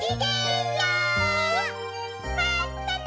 まったね！